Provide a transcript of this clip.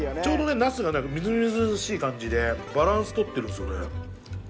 ナスがみずみずしい感じでバランスとってるんですよね